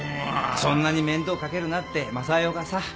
そんなに面倒かけるなって昌代がさフフッ。